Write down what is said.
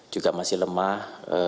juga masih lemah